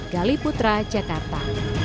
gali putra jakarta